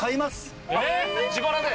自腹で？